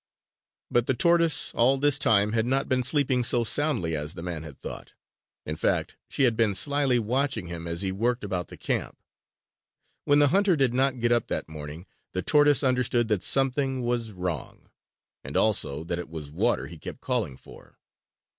But the tortoise, all this time, had not been sleeping so soundly as the man had thought. In fact, she had been slyly watching him as he worked about the camp. When the hunter did not get up that morning, the tortoise understood that something was wrong, and also that it was water he kept calling for.